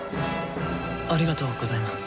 ありがとうございます。